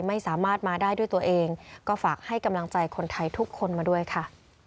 ไม่สามารถมาได้ด้วยตัวเองก็ฝากให้กำลังใจคนไทยทุกคนมาด้วยค่ะ